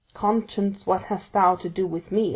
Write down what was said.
'Conscience, what hast thou to do with me?